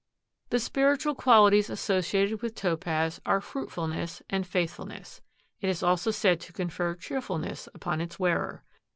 The spiritual qualities associated with Topaz are fruitfulness and faithfulness. It is also said to confer cheerfulness upon its wearer.